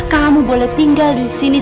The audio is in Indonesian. kamu boleh tinggal disini